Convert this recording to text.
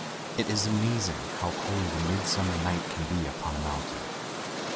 It is amazing how cold a midsummer night can be upon a mountain.